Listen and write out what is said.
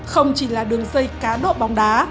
không chỉ là đường dây cá độ bóng đá